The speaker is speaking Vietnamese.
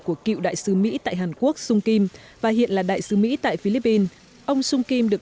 của cựu đại sứ mỹ tại hàn quốc sung kim và hiện là đại sứ mỹ tại philippines ông sung kim được